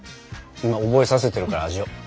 今覚えさせてるから味を。